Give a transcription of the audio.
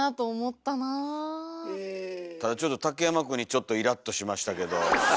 ただちょっと竹山くんにちょっとイラッとしましたけど。